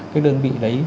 cái đơn vị đấy